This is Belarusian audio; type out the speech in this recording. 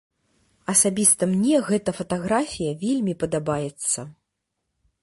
Асабіста мне гэта фатаграфія вельмі падабаецца.